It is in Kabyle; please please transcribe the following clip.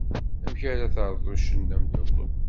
Amek ara terreḍ uccen d amdakel?